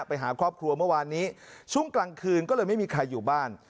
ไปหาครอบครัวเมื่อวานนี้ช่วงกลางคืนก็เลยไม่มีใครอยู่บ้าน